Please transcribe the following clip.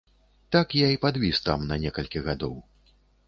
Так я і падвіс там на некалькі гадоў.